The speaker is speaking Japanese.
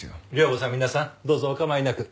寮母さん皆さんどうぞお構いなく。